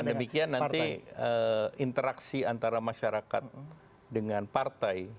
dan dengan demikian nanti interaksi antara masyarakat dengan partai